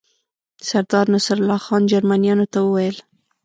سردار نصرالله خان جرمنیانو ته وویل.